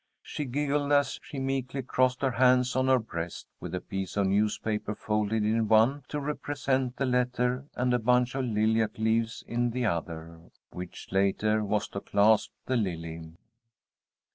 She giggled as she meekly crossed her hands on her breast, with a piece of newspaper folded in one to represent the letter, and a bunch of lilac leaves in the other, which later was to clasp the lily.